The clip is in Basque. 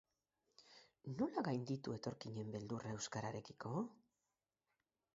Nola gainditu etorkinen beldurra euskararekiko?